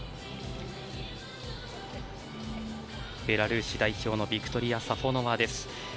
ベラルーシ代表のビクトリア・サフォノワです。